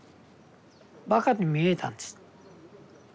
バカに見えたんです。